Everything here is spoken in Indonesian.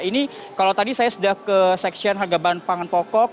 ini kalau tadi saya sudah ke seksian harga bahan pangan pokok